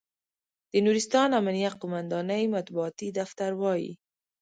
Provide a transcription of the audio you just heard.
د نورستان امنیه قوماندانۍ مطبوعاتي دفتر وایي،